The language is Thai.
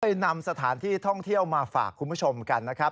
นำสถานที่ท่องเที่ยวมาฝากคุณผู้ชมกันนะครับ